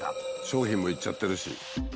商品も行っちゃってるし。